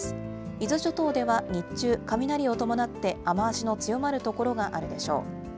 伊豆諸島では日中、雷を伴って、雨足の強まる所があるでしょう。